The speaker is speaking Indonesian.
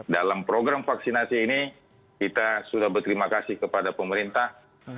dalam program vaksinasi ini kita sudah berterima kasih kepada pemerintah